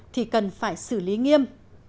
thì cần phải xử lý nghiêm